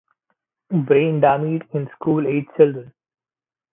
Brain Damage in School Age Children.